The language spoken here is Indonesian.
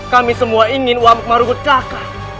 kami semua ingin uamuk marugou takah